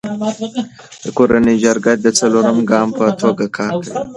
کورنی جرګه د څلورم ګام په توګه کار کوي.